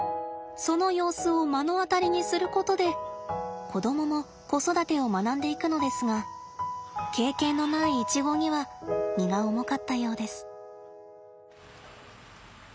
その様子を目の当たりにすることで子供も子育てを学んでいくのですが経験のないイチゴには荷が重かったようです。